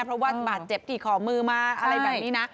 เพราะว่าบาดเจ็บที่ขอมือมาอะไรแบบนี้นะ